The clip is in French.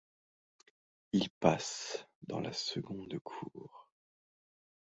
Il passe dans la seconde cour.